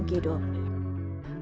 di kedok gunung